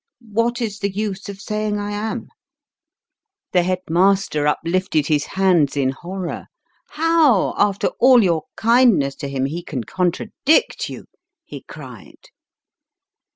What is the use of saying I am ? The headmaster up lifted his hands in horror. How, after all your kindness to him, he can contradict you ! he cried.